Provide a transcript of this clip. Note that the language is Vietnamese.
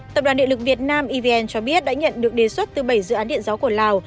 tập đoàn điện lực việt nam evn cho biết đã nhận được đề xuất từ bảy dự án điện gió của lào